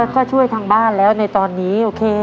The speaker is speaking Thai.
ก็ช่วยทางบ้านแล้วในตอนนี้โอเค